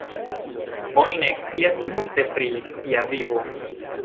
Oni ne scias multe pri sia vivo.